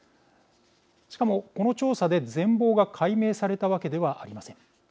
しかも、この調査で全貌が解明されたわけではありません。